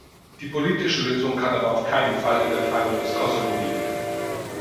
Die politische Lösung kann aber auf keinen Fall in der Teilung des Kosovo liegen.